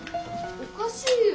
おかしいよ！